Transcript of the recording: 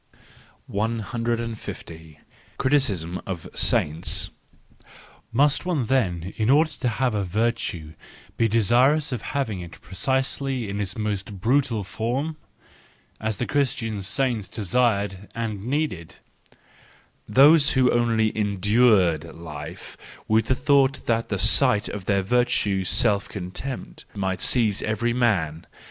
150. Criticism of Saints .—Must one then, in order to have a virtue, be desirous of having it precisely 184 the joyful wisdom, III in its most brutal form?—as the Christian saints desired and needed ;—those who only endured life with/the thought that at the sight of their virtue self contempt might seize every man.